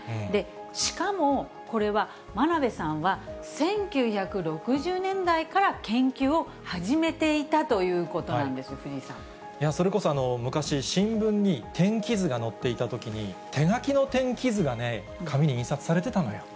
しかも、これは真鍋さんは１９６０年代から研究を始めていたということなそれこそ昔、新聞に天気図が載っていたときに、手描きの天気図が紙に印刷されてたのよ。